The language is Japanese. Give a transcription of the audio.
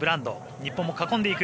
日本も囲んでいく。